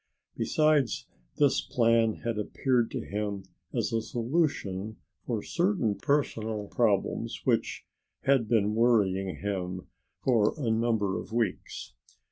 Besides this plan had appeared to him as a solution for certain personal problems which had been worrying him for a number of weeks.